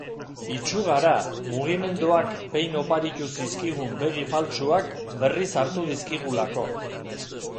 Itsu gara, mugimenduak behin oparitu zizkigun begi faltsuak berriz hartu dizkigulako.